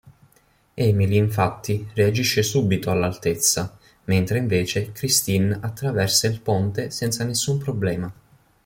Emily infatti reagisce subito all'altezza, mentre invece Christine attraversa il ponte senza nessun problema.